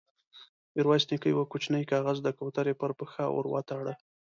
ميرويس نيکه يو کوچينۍ کاغذ د کوترې پر پښه ور وتاړه.